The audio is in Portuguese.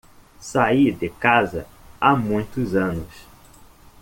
Saí de casa há muitos anos.